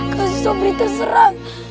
kasih sobri terserang